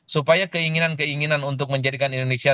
supaya keinginan keinginan untuk menjadikan indonesia